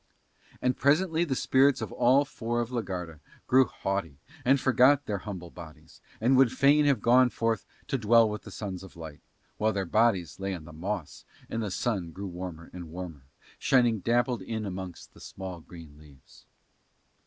And presently the spirits of all four of la Garda grew haughty and forgot their humble bodies, and would fain have gone forth to dwell with the sons of light, while their bodies lay on the moss and the sun grew warmer and warmer, shining dappled in amongst the small green leaves.